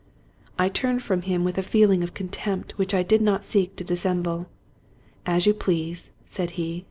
I turned from him with a feeling of contempt which I did not seek to dissemble. " As you please," said he.